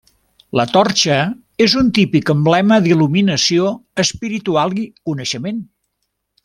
La torxa és un típic emblema d'il·luminació espiritual i coneixement.